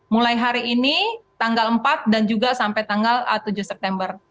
mulai hari ini tanggal empat dan juga sampai tanggal tujuh september